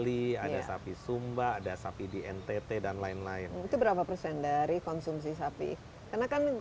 ini kalau untuk rendang suka